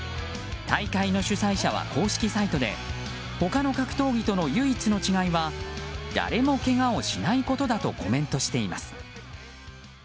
大会の主催者は公式サイトで他の格闘技との唯一の違いは誰もけがをしないことだとコメントしています。